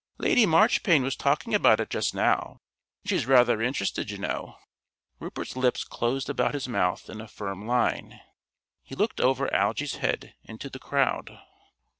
"Lady Marchpane was talking about it just now. She's rather interested, you know." Rupert's lips closed about his mouth in a firm line. He looked over Algy's head into the crowd.